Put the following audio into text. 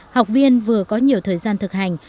học viên vừa có nhiều thời gian thực hành